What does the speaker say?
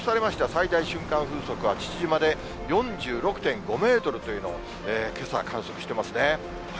最大瞬間風速は、父島で４６．５メートルというのを、けさ、観測していますね。